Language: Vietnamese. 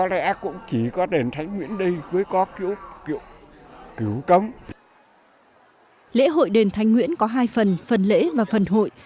lễ hội đền thánh nguyễn có hai phần phần lễ và phần hội